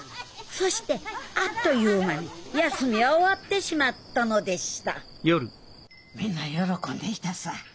そしてあっという間に休みは終わってしまったのでしたみんな喜んでいたさぁ。